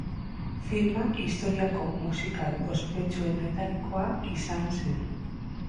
Filma historiako musikal ospetsuenetarikoa izan zen.